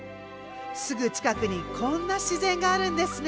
すぐ近くにこんな自然があるんですね。